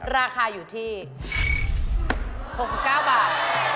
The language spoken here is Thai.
ราคาอยู่ที่๖๙บาท